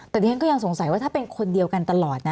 แต่ดิฉันก็ยังสงสัยว่าถ้าเป็นคนเดียวกันตลอดนะ